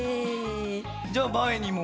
じゃあまえにも。